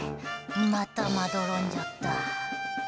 また、まどろんじゃった。